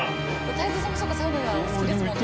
泰造さんもそっかサウナがお好きですもんね。